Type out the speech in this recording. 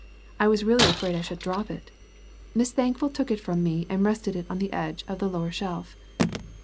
I was really afraid I should drop it. Miss Thankful took it from me and rested it on the edge of the lower shelf.